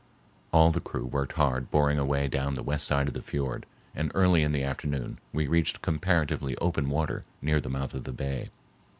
All the crew worked hard boring a way down the west side of the fiord, and early in the afternoon we reached comparatively open water near the mouth of the bay.